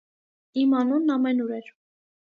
Իմ անունն ամենուր էր։